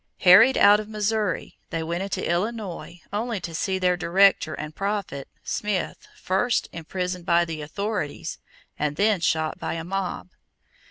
Harried out of Missouri, they went into Illinois only to see their director and prophet, Smith, first imprisoned by the authorities and then shot by a mob.